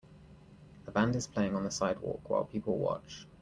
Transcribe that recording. A band is playing on the sidewalk while people watch.